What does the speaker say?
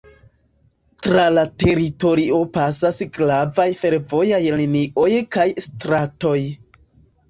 Tra la teritorio pasas gravaj fervojaj linioj kaj stratoj.